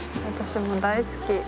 私も大好き。